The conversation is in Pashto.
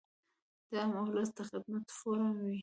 د عام اولس د خدمت فورم وي -